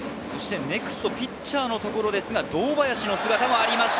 ネクストはピッチャーのところですが、堂林の姿があります。